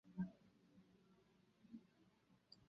错愕的林萧不久迎来了归来的简溪。